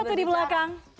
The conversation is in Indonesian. siapa tuh di belakang